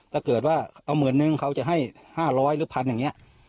ถ้าเกิดว่าเอาเหมือนหนึ่งเขาจะให้ห้าร้อยหรือพันอย่างนี้